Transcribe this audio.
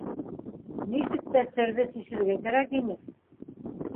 Нисек тә серҙе сисергә кәрәк ине.